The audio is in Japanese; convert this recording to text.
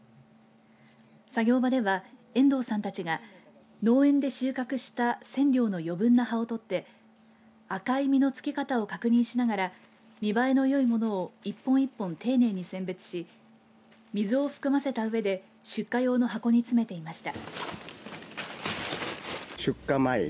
作業場では遠藤さんたちが農園で収穫したセンリョウの余分な葉を取って赤い実のつき方を確認しながら見栄えのよいものを一本一本、丁寧に選別し水を含ませたうえで出荷用の箱に詰めていました。